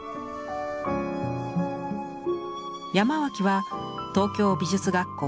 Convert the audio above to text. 山脇は東京美術学校